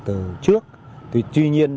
từ trước tuy nhiên